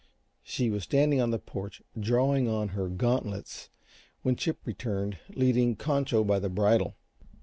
She was standing on the porch drawing on her gauntlets when Chip returned, leading Concho by the bridle.